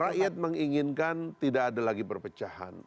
rakyat menginginkan tidak ada lagi perpecahan